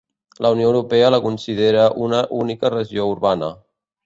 La Unió Europea la considera una única regió urbana.